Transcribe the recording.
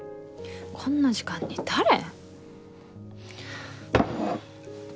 こんな時間に誰！？